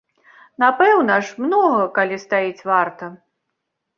Напэўна ж, многа, калі стаіць варта.